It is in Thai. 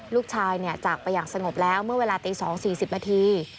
ลูกชายจากไปอย่างสงบแล้วเมื่อเวลาตี๒๔๐นาที